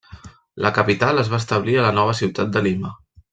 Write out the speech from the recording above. La capital es va establir a la nova ciutat de Lima.